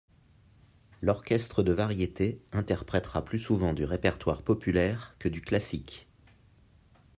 L'orchestre de variété interprètera plus souvent du répertoire populaire que du classique.